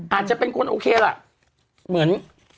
อาจจะเป็นคนโอเคล่ะเหมือน